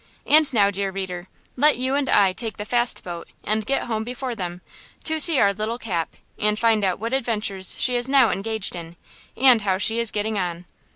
And now, dear reader, let you and I take the fast boat and get home before them, to see our little Cap, and find out what adventures she is now engaged in, and how she is getting on.